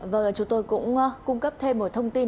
vâng chúng tôi cũng cung cấp thêm một thông tin